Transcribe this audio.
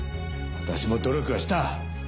私も努力はした。